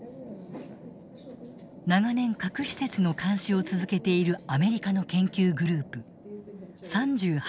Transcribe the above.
長年核施設の監視を続けているアメリカの研究グループ３８